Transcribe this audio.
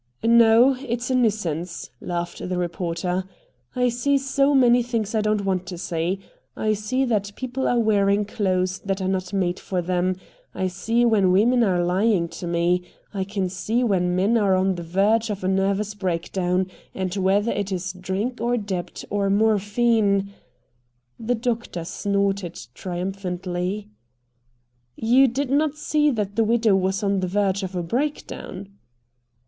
"No, it's a nuisance," laughed the reporter. "I see so many things I don't want to see. I see that people are wearing clothes that are not made for them. I see when women are lying to me. I can see when men are on the verge of a nervous breakdown, and whether it is drink or debt or morphine " The doctor snorted triumphantly. "You did not see that the widow was on the verge of a breakdown!"